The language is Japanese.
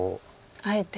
あえて。